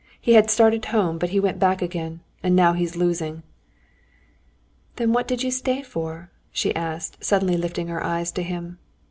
He had really started home, but he went back again, and now he's losing." "Then what did you stay for?" she asked, suddenly lifting her eyes to him.